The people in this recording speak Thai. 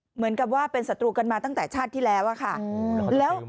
เหมือนกับว่าเป็นศัตรูกันมาตั้งแต่ชาติที่แล้วอะค่ะ